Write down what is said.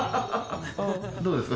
どうですか？